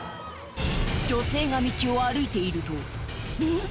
女性が道を歩いているとうん？